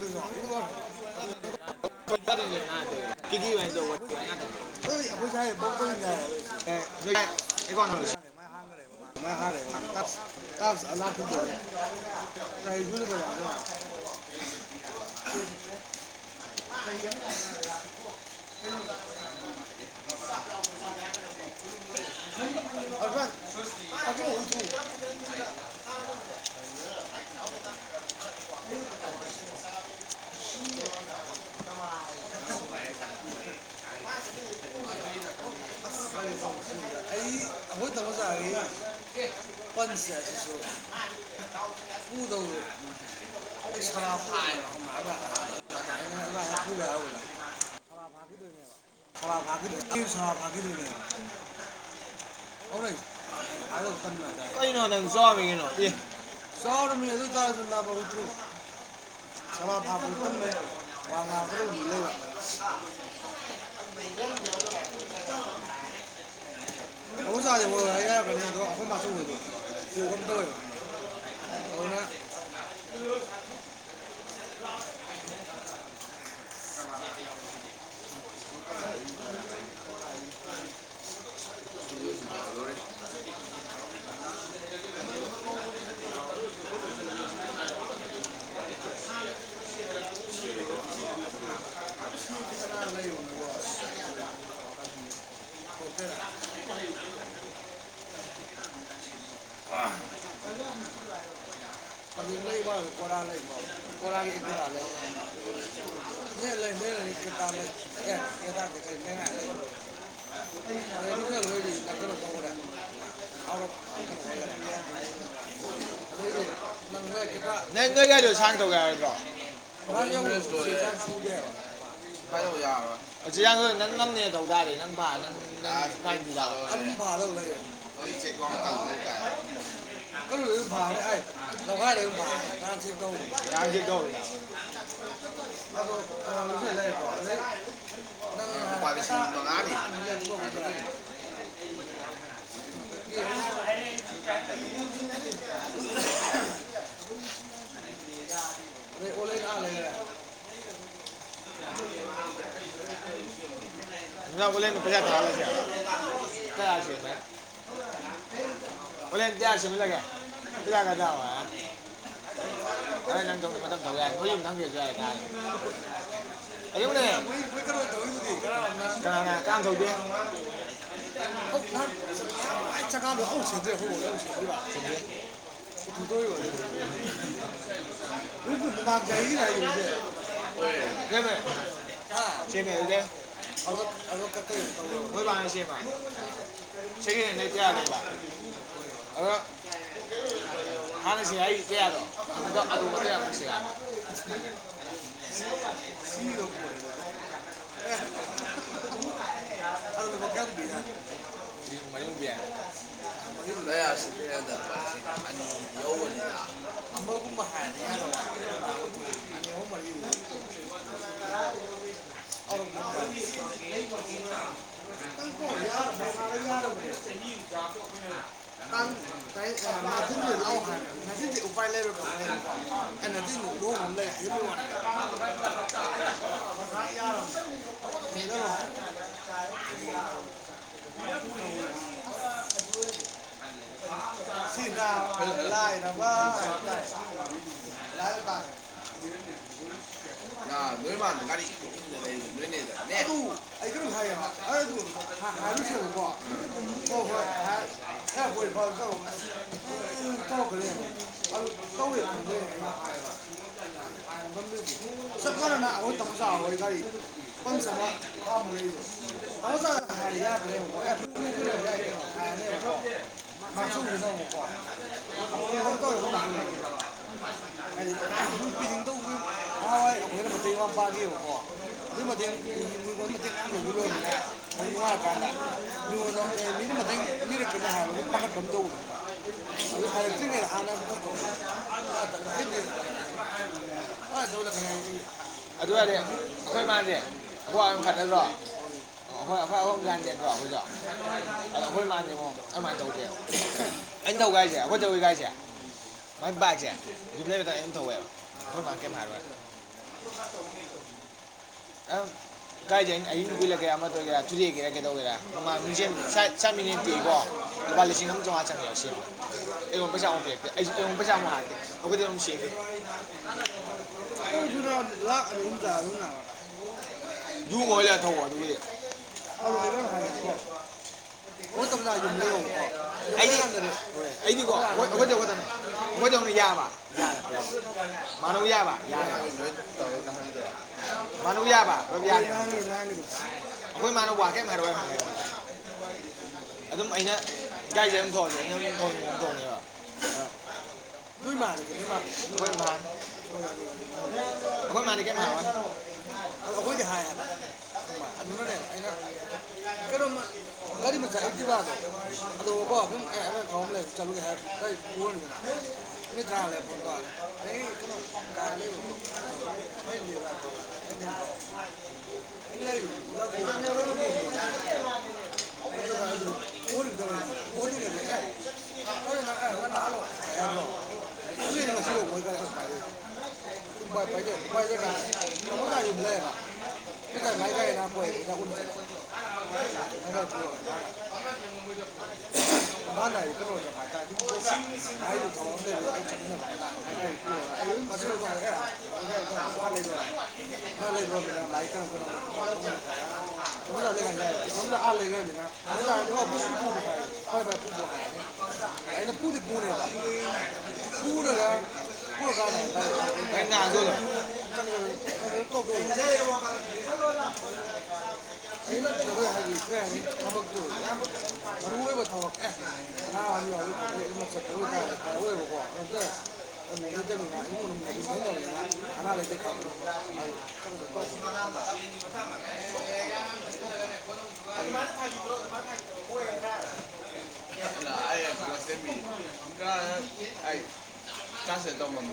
ꯑꯩꯣꯏꯥꯡꯦ ꯍꯥꯡꯦ ꯃꯥꯏ ꯍꯥꯡꯈ꯭ꯔꯦꯕ ꯥꯏꯔꯦ ꯀ [inaudible] [inaudible] ꯑꯁ ꯒꯥꯔꯤ ꯆ ꯊ꯭ꯔꯤꯗ ꯑꯩ ꯑꯩꯈꯣꯏ ꯇꯧꯃ ꯆꯥꯔꯤ ꯄ ꯃꯥꯒꯤ ꯅꯕ ꯤꯟ ꯆꯥꯎ ꯂꯩ ꯍꯧꯔꯦꯗ ꯀꯩꯅꯣ ꯅꯪ ꯆꯥꯎꯔꯃꯤ ꯀꯩꯅꯣ ꯑꯦ ꯆꯥꯎꯔꯝꯃꯤ ꯑꯗꯨ ꯇꯔꯁꯨ ꯅꯥꯕꯨ ꯁꯕꯥ ꯊꯥꯕ ꯑꯦ ꯌꯥꯕ꯭ꯔꯥꯅꯦ ꯑꯗꯣ ꯑꯐꯝꯕ ꯑꯗꯨꯅ ꯎꯝ [inaudible] ꯒ ꯑꯁ ꯋꯥꯀꯇꯦꯔ [inaudible] ꯂꯩꯕ ꯀ ꯂꯩꯕ ꯂꯩ ꯂꯩ ꯀ ꯂꯩ ꯅꯪ ꯅ ꯅꯣꯏ ꯒꯥꯔꯤꯗꯣ ꯁꯥꯡ ꯇꯧꯒꯦ ꯍꯥꯏꯗ꯭ꯔꯣ ꯍꯧ ꯅꯪ ꯉꯝꯅꯦ ꯇꯧꯗꯥꯔꯗꯤ ꯅꯪꯥ ꯒꯥꯎ ꯅꯪ ꯄꯇ ꯄꯦꯇꯥ ꯂꯤꯂꯦꯕꯗ ꯍꯗ ꯔꯔ ꯑꯗꯨ ꯎꯂ ꯍꯜ ꯃ ꯄꯖꯥ ꯆ ꯀꯌꯥꯁꯤꯂ ꯇꯔꯁꯤ ꯃꯖꯒꯦ ꯀ ꯅ ꯐ ꯊꯖꯦ ꯀꯥꯏ ꯀꯅꯥꯅ ꯀ ꯇꯧꯗꯦ ꯆꯥꯝ ꯍꯧꯁꯤꯗ꯭ꯔꯦ ꯍ [unintelligible] ꯆꯦꯃꯦ ꯍꯣꯏꯅꯤ ꯆꯦꯕꯅꯤ ꯁꯦꯀꯦꯟ ꯍꯦꯟ ꯌꯥꯗꯕ ꯑꯗ ꯍꯥꯟꯅꯁꯦ ꯑꯩ ꯀꯌꯥꯗꯣ [unintelligible] ꯌꯨꯝꯅꯤ ꯍꯥꯏ [unintelligible] ꯂꯥꯛꯑꯣ ꯍꯥꯏꯆꯤꯟꯗꯤ ꯎꯄꯥꯏ ꯂꯩꯔꯕ ꯑꯦ ꯅꯗꯤꯅ ꯂ ꯂꯩ ꯁꯤꯗꯥ ꯂꯥꯏꯔꯕ ꯌꯥ ꯅꯨꯃ ꯃꯥꯅꯤ ꯑꯗꯨ ꯑꯩ ꯀꯩꯅꯝ ꯍꯥꯏꯌꯦꯕ ꯍꯣꯏ ꯑꯗꯨ ꯍꯥꯏꯔꯨꯁꯦꯕꯀꯣ ꯎ ꯍꯣꯏ ꯍꯣꯏꯧꯈꯦ ꯇꯧꯋꯦ ꯍꯥꯏꯕ ꯍꯥꯏꯕ ꯉꯝꯗꯣꯏꯁꯦ ꯆꯞ ꯃꯥꯟꯅꯅ ꯑꯩꯈꯣꯏ ꯍꯣꯏ ꯒꯥꯔꯤꯀ ꯍꯥꯏꯗꯤ ꯁꯨꯝ ꯄꯤꯅꯤꯡꯗꯧꯕ ꯅꯍꯥꯋꯥꯏ ꯑꯩꯈꯣꯏꯔ ꯃꯩ ꯋꯥ ꯄ ꯕꯀꯣ ꯑꯗꯨ ꯃꯇꯛ ꯃꯤꯉꯣꯟ ꯃꯇꯦꯛ ꯈꯁꯨ ꯂꯣꯏꯗ ꯑꯗꯨ ꯅꯨꯡꯉꯥꯏꯔꯀꯥꯟꯗ ꯃꯤꯉꯣꯟ ꯃꯤꯅ ꯃꯊꯪ ꯄꯔꯛꯀꯅ ꯍꯥꯏꯕꯗꯨ ꯄꯥꯈꯠꯄ ꯑꯃ ꯇꯧꯦꯕ ꯑꯗꯨ ꯍꯥꯏꯔꯛꯇ꯭ꯔꯤꯉꯦ ꯍꯥꯟꯅ ꯑꯗꯣ ꯂꯅꯤ ꯑꯗꯨ ꯑꯣꯏꯔꯗꯤ ꯑꯩꯈꯣꯏ ꯃꯥꯅꯦꯦꯣꯏꯗ꯭ꯔꯣ ꯍ ꯍꯣꯏ ꯑꯩꯈꯣꯏ ꯑꯍ ꯌꯥꯗꯦꯕ꯭ꯔꯣ ꯑꯩꯈꯣꯏꯗꯣ ꯑꯩꯈꯣꯏ ꯃꯥꯜꯅꯦꯦꯕ ꯑꯗꯨꯃꯥꯏꯅ ꯇꯧ ꯑꯩꯅ ꯇꯧ ꯀꯥꯏꯁꯦ ꯑꯩꯈꯣꯏ ꯇꯧꯋꯤ ꯀꯥꯏꯁꯦ ꯁꯃꯥꯏ ꯄꯥꯏꯁꯦ ꯔꯤꯄ꯭ꯂꯕꯗꯥ ꯀꯝ ꯇꯧꯋꯦꯕ ꯍꯣꯏ ꯀꯩꯝ ꯍꯥꯏꯔꯣꯏ ꯥꯏꯁꯦ ꯑꯩꯅ ꯑꯌꯨꯛ ꯅꯨꯄꯤ ꯂꯩꯒꯦꯔꯥ ꯑꯃꯗ ꯑꯣꯏꯒꯦꯔꯥ ꯊꯨꯗꯦꯛꯒꯦꯔꯥ ꯀꯩꯗꯧ ꯑꯣꯏꯒꯦꯔꯥ ꯃꯃꯥꯡ ꯃꯤꯡꯖꯦꯜ ꯆꯥꯠꯃꯤꯟꯅ ꯅꯛꯇꯦꯀꯣ ꯂꯨꯄꯥ ꯂꯤꯁꯤꯡ ꯑꯃ ꯆꯥꯝꯃꯉꯥ ꯆꯪꯉꯛꯦ ꯁꯤꯦꯕ ꯀꯂꯣ ꯄꯩꯁꯥ ꯑꯃꯨꯛ ꯄꯤꯔꯦꯛꯇꯦ ꯑꯩꯁꯦ ꯌꯦꯂꯣꯝ ꯄꯩꯁꯥ ꯃꯗꯦ ꯑꯩꯈꯣꯏꯗꯤ ꯌꯥꯝꯅꯨꯡꯁꯤꯦ ꯂꯥꯛ ꯑꯅꯤꯍꯨꯝ ꯆꯥꯔꯣꯅꯥ ꯌꯨꯉꯂ ꯊꯧꯕ ꯑꯗꯨꯗꯤ ꯑꯩꯗ ꯍꯣꯏ ꯑꯩꯗꯤꯀꯣ ꯑꯩꯈꯣꯏ ꯆꯗꯅꯦ ꯑꯩꯈꯣꯏ ꯆꯅ ꯌꯥꯕ ꯌꯥ ꯌꯥ ꯃꯥꯅ ꯌꯥꯕ ꯅ ꯌꯥꯕ ꯑꯩꯈꯣꯏꯅ ꯋꯥ ꯑꯗꯨꯝ ꯑꯩꯅ ꯥꯏꯁꯦ ꯑꯗꯨꯝ ꯊꯍꯦꯕ ꯃꯥ ꯍꯣꯏ ꯑ ꯑꯩꯈꯣꯏꯗꯤ ꯍꯥꯏꯌꯦꯕ ꯑꯗꯨꯅꯅꯦ ꯑꯩꯅ ꯀꯩꯅꯣꯃ ꯒꯥꯔꯤ ꯑꯃ ꯆꯠꯂꯗ꯭ꯔꯤꯕꯗꯣ ꯑꯣꯀꯣ ꯑꯗꯨꯝ ꯑꯦꯥꯎ ꯑꯃ ꯂꯩꯔ ꯆꯠꯨꯒꯦ ꯍꯥꯏꯕꯅꯤ ꯊꯦꯄꯔ ꯕ꯭ꯔꯣ ꯂꯩꯔꯨ ꯑꯗꯨꯒꯣ ꯣ ꯂꯩ ꯑꯦ ꯅꯪ ꯅꯪ ꯅꯍꯥꯟꯜꯂꯣ ꯍꯥꯏꯕ꯭ꯔꯣ ꯁꯤ ꯐ ꯐꯠꯄꯥꯏ ꯄꯥꯏꯗꯦꯠ ꯄꯥꯏꯗꯅ ꯌꯨꯝꯥꯏ ꯌꯨꯝ ꯂꯩꯌꯦꯅꯠꯀꯥꯏ ꯃꯥꯏꯒꯥꯏꯅꯣꯏ ꯃꯃꯩꯅꯣ [unintelligible] ꯂꯩ ꯏ ꯂꯩꯗꯃꯤꯅꯤꯅ ꯃꯥꯥꯏ ꯀꯔꯝ ꯀꯔꯝꯕꯅꯣ ꯍꯥꯏ ꯁ ꯂꯩ ꯁꯝ ꯑꯥꯠ ꯂꯩꯈ꯭ꯔꯕꯅꯤꯅ ꯁꯝ ꯄꯨ ꯍꯥꯏꯔꯦ ꯐꯔꯦ ꯐꯔꯦ ꯄꯨꯕ ꯍꯥꯏꯔꯅꯤ ꯑꯩꯅ ꯄꯨꯗꯤ ꯄꯨꯔꯦꯕ ꯐ ꯂ ꯊꯕꯛꯇ ꯌꯥꯝ ꯃꯔꯨ ꯑꯣꯏꯕ ꯊꯕꯛ ꯑꯗ ꯅꯥ ꯑ ꯆꯁ ꯇꯃꯅꯤ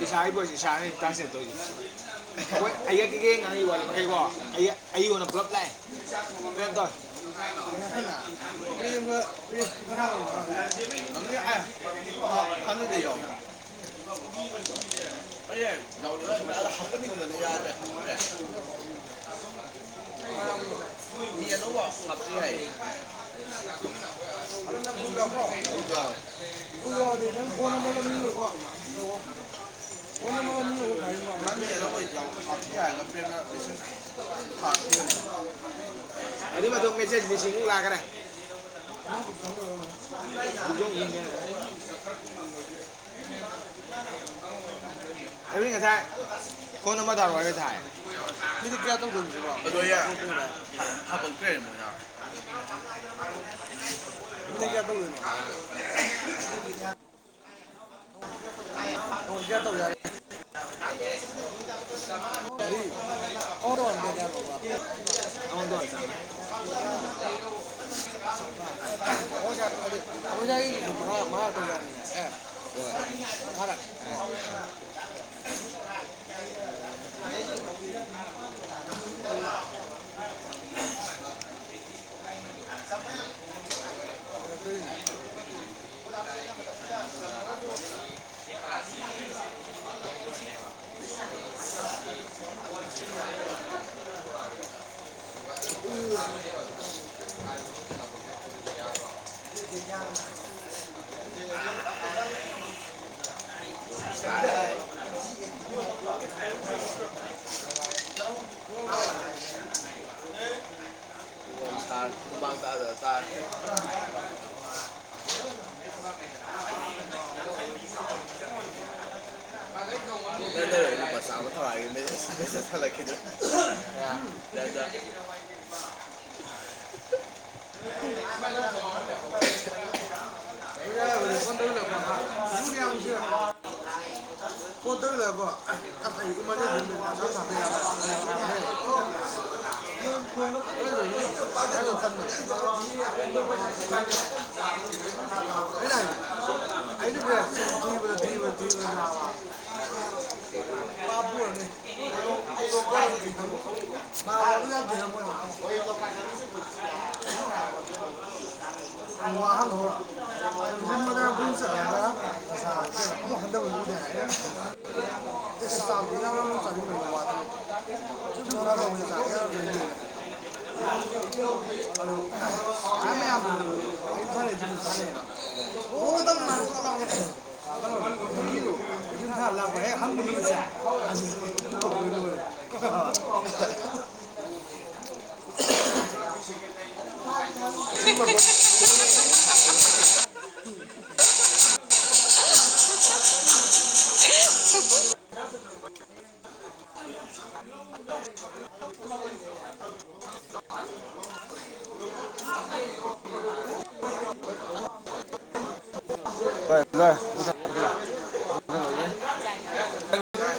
ꯏꯁꯥꯒꯤ ꯕꯣꯏꯁ ꯏꯁꯥꯅꯤ ꯇ꯭ꯔꯥꯟꯁꯂꯦꯠ ꯇꯧꯔꯤ ꯍꯣꯏ ꯑꯩꯛꯒ ꯉ ꯋꯥꯠꯈꯩꯀꯣ ꯑꯩ ꯑꯩꯣꯟ ꯑꯣꯏꯅ ꯄꯨꯂꯞ ꯂꯥꯛꯑꯦ ꯇꯧ [unintelligible] ꯍꯪꯉꯗꯤꯦ ꯌꯥꯎ ꯌꯥꯦ ꯑꯅꯇ ꯄꯨ ꯄꯨ ꯄꯨ ꯐꯣꯟꯣ ꯑꯗꯨꯏ ꯃꯣ ꯃꯦꯦꯃꯨꯛ ꯂꯥꯛꯈ꯭ꯔꯦ [inaudible] ꯑꯗꯨ ꯉꯁꯥꯏ ꯐꯣꯟ ꯑꯃꯗꯥꯔꯑꯣ ꯍꯥꯏꯒꯦ ꯉꯁꯥꯏ ꯃꯤꯗꯤ ꯀꯌꯥ ꯇꯗ ꯌꯥ ꯑ ꯀꯌꯥ ꯇ ꯌꯥꯔꯦ ꯑ ꯇ ꯀ ꯀꯣ ꯍꯧꯖ ꯇ ꯌꯥꯔꯦ ꯀꯊꯥꯔ [unintelligible] [unintelligible] ꯎꯝ [unintelligible] [unintelligible] ꯇ ꯇ ꯑ ꯁꯃꯊ ꯂꯗ ꯀꯠꯇ ꯂꯩꯕꯣ ꯋꯥ ꯍ ꯍꯔ ꯗꯤꯅ ꯆꯠꯂꯒ ꯅꯁꯥꯗꯨ ꯀꯨꯛ ꯍꯟꯊꯕꯗꯨ ꯎꯗꯦ ꯍꯥꯏ ꯑꯦ ꯆꯥꯛꯇꯣ ꯌꯥ ꯆꯥꯁꯤꯟ ꯂꯩꯣꯏꯗ ꯋꯥ ꯊꯛꯣ ꯨꯝ ꯁꯥꯟꯅꯅꯤꯅ ꯆꯥꯛ ꯌꯥ ꯆꯥꯁꯤꯟ ꯂꯩꯔꯦ ꯍꯥꯏ ꯑꯗꯣ ꯃꯌꯥꯝ ꯃꯌꯥꯝꯕꯗ ꯑꯩꯅ ꯁꯥꯟꯅꯩꯦ ꯖꯤꯨꯝꯁꯨ ꯁꯥꯟꯅꯩꯑꯕ ꯑꯣ ꯊꯜ ꯂ ꯍꯦꯛ ꯈꯪ [unintelligible] [unintelligible] [unintelligible] ꯅ